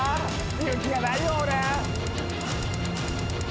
勇気がないよ俺。